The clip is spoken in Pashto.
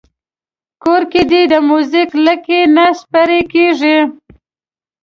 کور کې دې د موږک لکۍ نه سپېره کېږي.